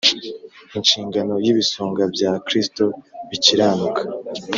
Inshingano y ibisonga bya Kristo bikiranuka